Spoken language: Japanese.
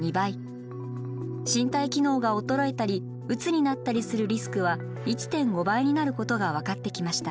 身体機能が衰えたりうつになったりするリスクは１．５倍になることが分かってきました。